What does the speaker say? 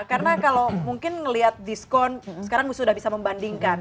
karena kalau mungkin ngelihat diskon sekarang sudah bisa membandingkan